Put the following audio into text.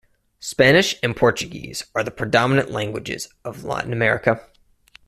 Spanish and Portuguese are the predominant languages of Latin America.